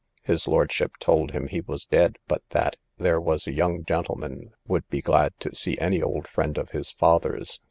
His lordship told him he was dead; but that there was a young gentleman would be glad to see any old friend of his father's.